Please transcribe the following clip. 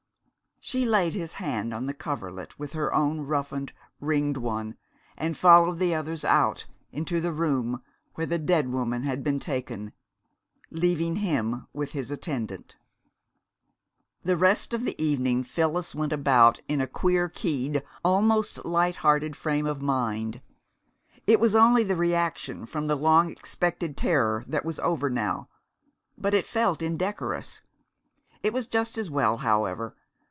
She laid his hand on the coverlet with her own roughened, ringed one, and followed the others out, into the room where the dead woman had been taken, leaving him with his attendant. The rest of the evening Phyllis went about in a queer keyed, almost light hearted frame of mind. It was only the reaction from the long expected terror that was over now, but it felt indecorous. It was just as well, however.